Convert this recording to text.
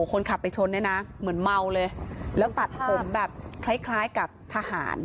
คนขับไปชนเนี่ยนะเหมือนเมาเลยแล้วตัดผมแบบคล้ายคล้ายกับทหาร